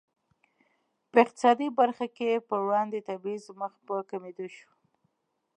په اقتصادي برخه کې پر وړاندې تبعیض مخ په کمېدو شو.